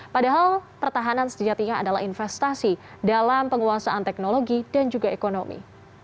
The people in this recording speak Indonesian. padahal pertahanan sejatinya adalah investasi dalam penguasaan teknologi dan juga ekonomi